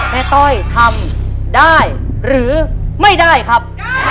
ต้อยทำได้หรือไม่ได้ครับ